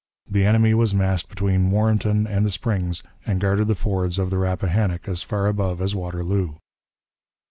The enemy was massed between Warrenton and the Springs, and guarded the fords of the Rappahannock as far above as Waterloo.